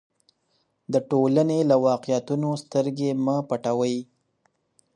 د ټولنې له واقعیتونو سترګې مه پټوئ.